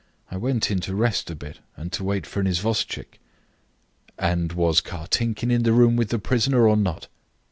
"I went in to rest a bit, and to wait for an isvostchik." "And was Kartinkin in the room with the prisoner, or not?"